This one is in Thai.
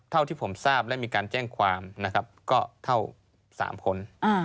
เท่าที่ผมทราบและมีการแจ้งความนะครับก็เท่า๓คน